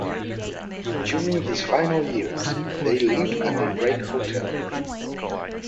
During his final years, they lived at the Drake Hotel.